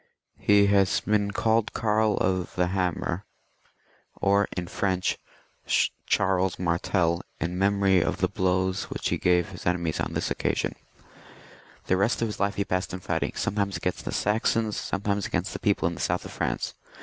He has been called Karl the Hammer, or in French Charles Martel, in memory of the blows which he gave his enemies on this occasion. The rest of his life he passed in fighting, sometimes against the Saxons, sometimes against the people in the south of France.